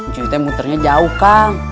cuy tuh muternya jauh kang